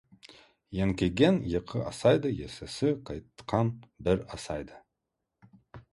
Еңкейген екі асайды, есесі қайтқан бір асайды.